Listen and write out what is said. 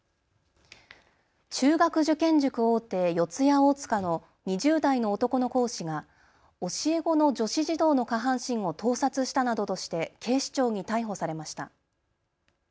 中学受験塾大手、四谷大塚の２０代の男の講師が教え子の女子児童の下半身を盗撮したなどとして警視庁に逮捕されました。